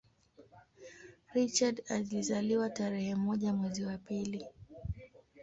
Richard alizaliwa tarehe moja mwezi wa pili